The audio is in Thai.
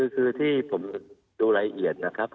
คือที่ผมดูรายละเอียดนะครับ